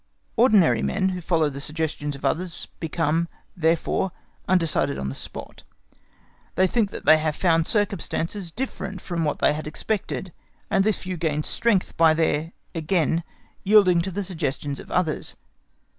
Ordinary men who follow the suggestions of others become, therefore, generally undecided on the spot; they think that they have found circumstances different from what they had expected, and this view gains strength by their again yielding to the suggestions of others.